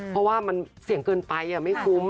เพราะว่ามันเสี่ยงเกินไปไม่คุ้ม